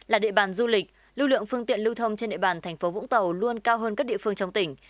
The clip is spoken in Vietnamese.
là địa bàn du lịch lưu lượng phương tiện lưu thông trên địa bàn thành phố vũng tàu luôn cao hơn các địa phương trong tỉnh